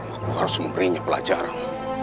aku harus memberinya pelajaran